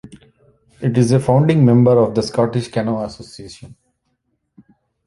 It is a founding member of the Scottish Canoe Association.